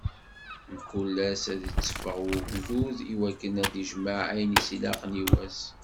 Mkul ass ad itteffeɣ ugdud iwakken ad d-ijmeɛ ayen i s-ilaqen i wass.